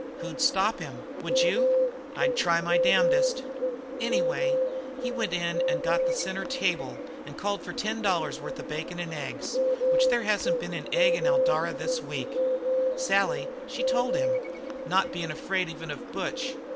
"Who'd stop him? Would you?" "I'd try my damnedest." "Anyway, in he went and got the centre table and called for ten dollars' worth of bacon and eggs which there hasn't been an egg in Eldara this week. Sally, she told him, not being afraid even of Butch.